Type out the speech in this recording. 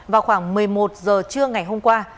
vào khoảng một mươi một giờ trưa ngày hôm qua